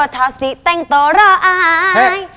ข่วยสนุกสบาย